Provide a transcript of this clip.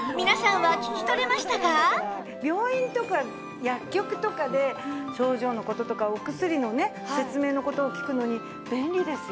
病院とか薬局とかで症状の事とかお薬のね説明の事を聞くのに便利ですよね。